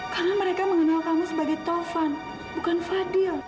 karena mereka mengenal kamu sebagai taufan bukan fadil